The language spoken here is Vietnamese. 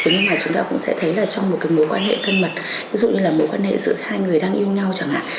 nhưng mà chúng ta cũng sẽ thấy là trong một cái mối quan hệ thân mật ví dụ như là mối quan hệ giữa hai người đang yêu nhau chẳng hạn